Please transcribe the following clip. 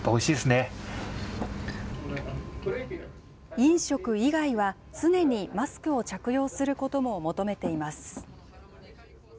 飲食以外は、常にマスクを着用することも求めています。